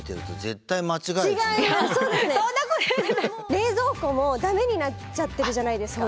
冷蔵庫もだめになっちゃってるじゃないですか。